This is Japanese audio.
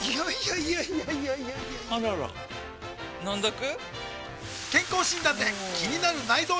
いやいやいやいやあらら飲んどく？